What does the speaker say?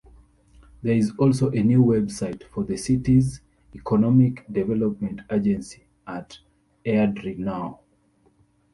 There is also a new website for the city's economic development agency at "AirdrieNow".